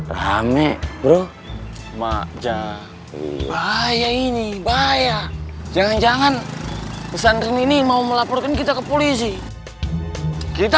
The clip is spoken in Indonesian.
rame bro mak jangan bahaya ini bahaya jangan jangan pesantren ini mau melaporkan kita ke polisi kita